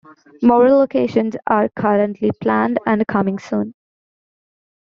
More locations are currently planned and coming soon.